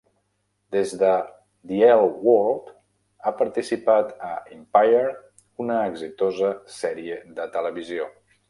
Des de "The L Word", ha participat a "Empire", una exitosa sèrie de televisió.